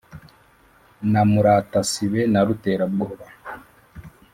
Na Muratasibe na Ruterabwoba